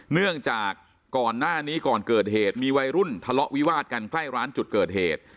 เนื่องจากก่อนหน้านี้ก่อนเกิดเหตุมีวัยรุ่นทะเลาะวิวาดกันใกล้ร้านจุดเกิดเหตุ